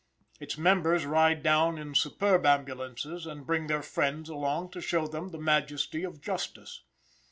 Its members ride down in superb ambulances and bring their friends along to show them the majesty of justice.